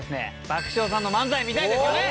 爆笑さんの漫才見たいですよね？